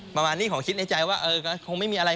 ประมาณนี้ขอคิดในใจว่าคงไม่มีอะไร